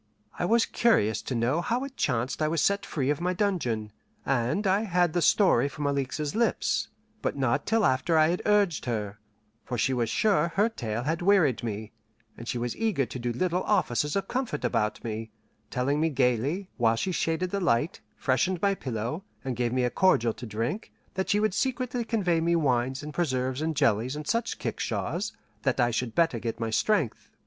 I was curious to know how it chanced I was set free of my dungeon, and I had the story from Alixe's lips; but not till after I had urged her, for she was sure her tale had wearied me, and she was eager to do little offices of comfort about me; telling me gaily, while she shaded the light, freshened my pillow, and gave me a cordial to drink, that she would secretly convey me wines and preserves and jellies and such kickshaws, that I should better get my strength.